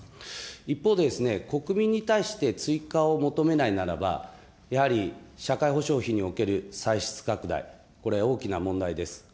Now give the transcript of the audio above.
一方で、国民に対して追加を求めないならば、やはり社会保障費における歳出拡大、これ、大きな問題です。